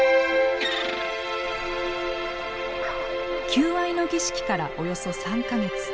求愛の儀式からおよそ３か月。